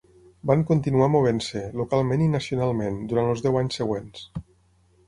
Van continuar movent-se, localment i nacionalment, durant els deu anys següents.